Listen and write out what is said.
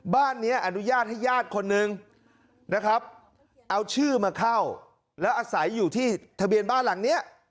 บ้านนี้อนุญาตให้ญาติคนนึงนะครับเอาชื่อมาเข้าแล้วอาศัยอยู่ที่ทะเบียนบ้านหลังเนี้ย